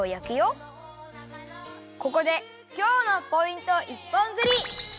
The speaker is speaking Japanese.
ここで今日のポイント一本釣り！